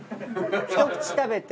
一口食べて。